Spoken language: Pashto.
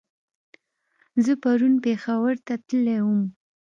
زه پرون پېښور ته تللی ووم